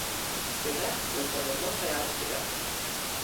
Demers was born in Montreal, Quebec.